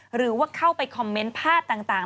หรือว่าเข้าไปคอมเมนต์ภาพต่าง